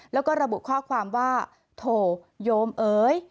แล้วก็ระบุข้อความว่าโถโยมเอ๋ย